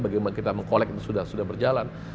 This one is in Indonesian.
bagaimana kita meng collect sudah berjalan